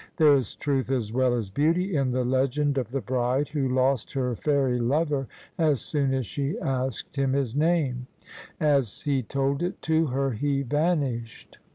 There is truth as well as beauty in the legend of the bride who lost her fairy lover as soon as she asked him his name: as he told it to her he vanished.